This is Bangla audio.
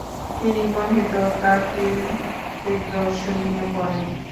তিনি গণিত ও প্রাকৃতিক দর্শন নিয়ে পড়েন।